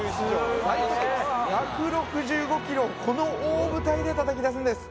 １６５キロをこの大舞台でたたき出すんです。